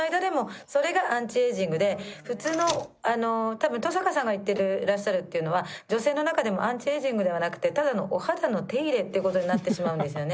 多分登坂さんが言ってらっしゃるっていうのは女性の中でもアンチエイジングではなくてただのお肌の手入れって事になってしまうんですよね。